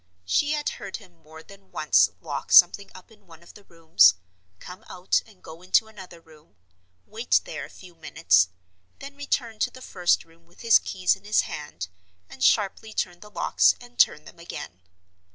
She had heard him more than once lock something up in one of the rooms, come out and go into another room, wait there a few minutes, then return to the first room with his keys in his hand, and sharply turn the locks and turn them again.